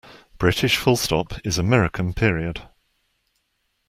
British full stop is American period.